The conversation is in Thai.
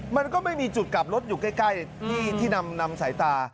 มันก็ไม่มีจุดกลับรถอยู่ใกล้ที่นำสายตา